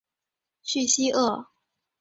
叙西厄。